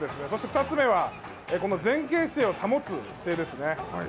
そして２つ目は前傾姿勢を保つ姿勢ですね。